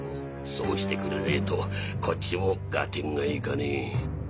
そうしてくれねぇとこっちも合点がいかねぇ。